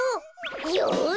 よし！